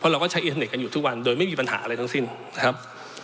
เราก็ใช้อินเทอร์เน็ตกันอยู่ทุกวันโดยไม่มีปัญหาอะไรทั้งสิ้นนะครับ